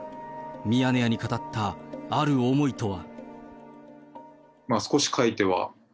ミヤネ屋に語ったある思いとは。